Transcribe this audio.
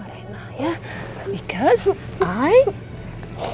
buat oma bangga banget